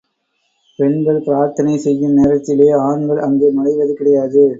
பெண்கள் பிரார்த்தனை செய்யும் நேரத்திலே ஆண்கள் அங்கே நுழைவது கிடையாது.